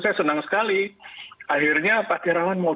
saya senang sekali akhirnya pak terawan mau